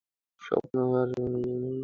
স্বপ্ন তার স্বাপ্নিককে অনেক কিছু জানায়।